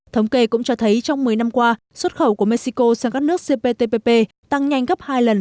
thống kê cũng cho thấy trong một mươi năm qua xuất khẩu của mexico sang các nước cptpp tăng nhanh gấp hai lần